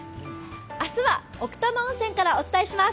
明日は奥多摩温泉からお伝えします。